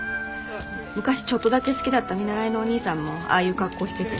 昔ちょっとだけ好きだった見習いのお兄さんもああいう格好してて。